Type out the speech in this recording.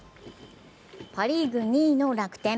パ・リーグ２位の楽天。